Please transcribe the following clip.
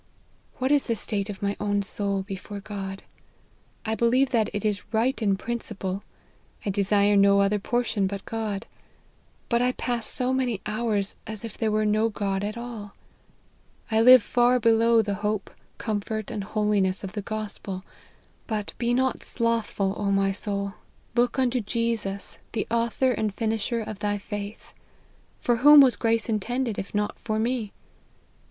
" What is the state of my own soul before God ? I believe that it is right in principle : I desire no other portion but God : but I pass so many ho\irs as if there were no God at all. I live far below the hope, comfort, and holiness of the Gospel: but be not slothful, O my soul ; look unto Jesus the author and finisher of thy faith. For whom was grace intended, if not for me